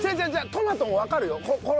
トマトもわかるよ。